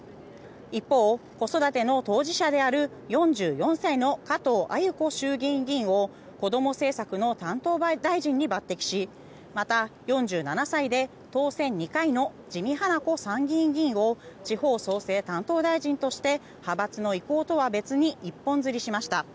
一方、子育ての当事者である４４歳の加藤鮎子衆議院議員をこども政策の担当大臣に抜てきしまた、４７歳で当選２回の自見英子参議院議員を地方創生担当大臣として派閥の意向とは別に一本釣りしました。